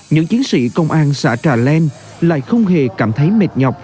những chiến sĩ công an xã trà len lại không hề cảm thấy mệt nhọc